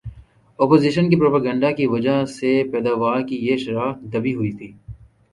opposition کے propaganda کی وجہ سے پیداوار کی یہ شرح دبی ہوئی تھی